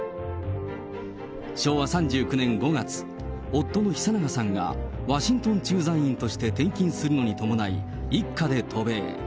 昭和３９年５月、夫の久永さんがワシントン駐在員として転勤するのに伴い、一家で渡米。